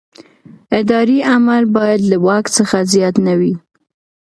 اداري عمل باید له واک څخه زیات نه وي.